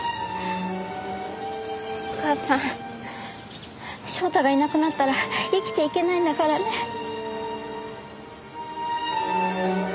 お母さん翔太がいなくなったら生きていけないんだからね。